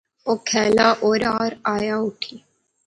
او کہلاہ اورار آیا اٹھی